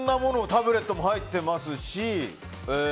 タブレットも入っていますし